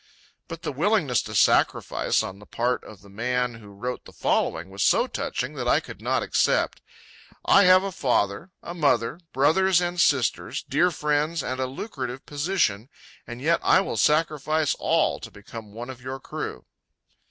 But the willingness to sacrifice on the part of the man who wrote the following was so touching that I could not accept: "I have a father, a mother, brothers and sisters, dear friends and a lucrative position, and yet I will sacrifice all to become one of your crew."